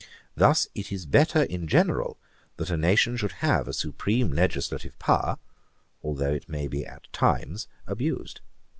Thus it is better in general that a nation should have a supreme legislative power, although it may at times be abused.